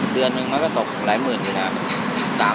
เดือนนึงมันก็ตกหลายหมื่นดินนะ